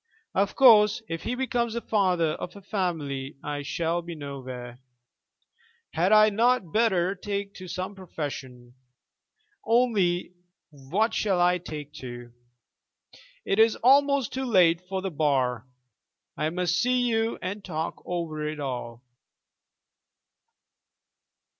Of course, if he becomes the father of a family I shall be nowhere. Had I not better take to some profession? Only what shall I take to? It is almost too late for the Bar. I must see you and talk over it all.